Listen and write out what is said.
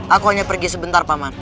aku hanya pergi sebentar paman